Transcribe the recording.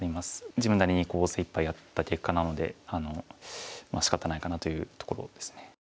自分なりに精いっぱいやった結果なのでしかたないかなというところですね。